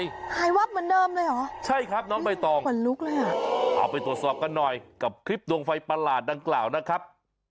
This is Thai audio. หายวับเหมือนเดิมเลยเหรอใช่ครับน้องใบตองขนลุกเลยอ่ะเอาไปตรวจสอบกันหน่อยกับคลิปดวงไฟประหลาดดังกล่าวนะครับ